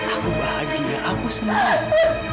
aku bahagia aku senang